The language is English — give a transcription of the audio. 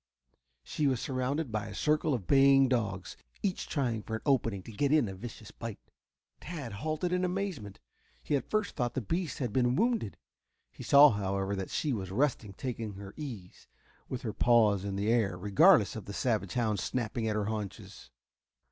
She was surrounded by a circle of baying dogs, each trying for an opening to get in a vicious bite. Tad halted in amazement. He at first thought the beast had been wounded. He saw, however, that she was resting, taking her ease, with her paws in the air, regardless of the savage hounds snapping at her haunches.